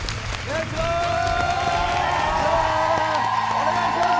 お願いします！